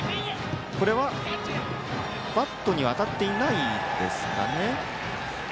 これはバットには当たってはいないですかね。